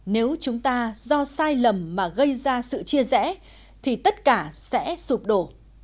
nếu chúng ta do sai lầm mà gây ra sự chia rẽ thì tất cả sẽ sụp đổ